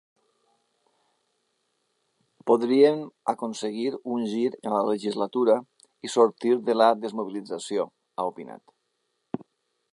“Podríem aconseguir un gir en la legislatura i sortir de la desmobilització”, ha opinat.